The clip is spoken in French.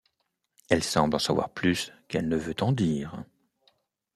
Elle semble en savoir plus qu'elle ne veut en dire.